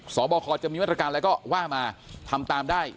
สอบคอจะมีมาตรการอะไรก็ว่ามาทำตามได้